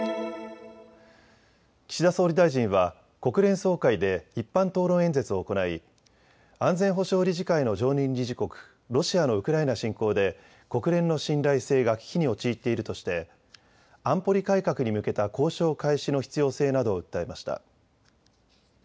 岸田総理大臣は国連総会で一般討論演説を行い、安全保障理事会の常任理事国、ロシアのウクライナ侵攻で国連の信頼性が危機に陥っているとして安保理改革に向けた交渉開始の必要性などを訴えました。